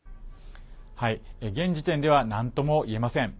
現時点ではなんとも言えません。